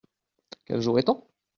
Quel jour est-on ?